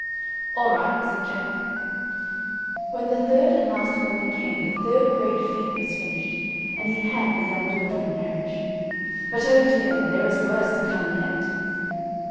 "All right," said Jack; when the third and last morning came the third great feat was finished, and he had the young daughter in marriage. But, oh dear! there is worse to come yet.